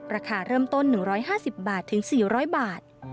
ราคาเริ่มต้น๑๕๐๔๐๐บาท